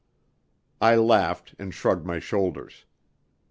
I laughed and shrugged my shoulders.